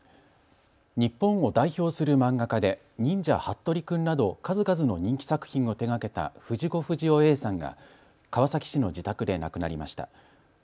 日本を代表する漫画家で忍者ハットリくんなど数々の人気作品を手がけた藤子不二雄Ａさんが川崎市の自宅で亡くなりました。